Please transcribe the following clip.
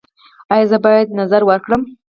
ایا زه باید نذر ورکړم؟